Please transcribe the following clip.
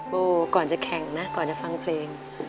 โบก่อนจะแข่งนะก่อนจะฟังเพลง